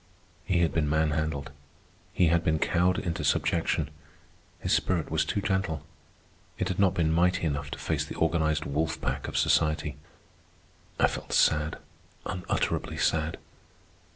He had been man handled; he had been cowed into subjection. His spirit was too gentle. It had not been mighty enough to face the organized wolf pack of society. I felt sad, unutterably sad.